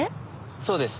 そうですね。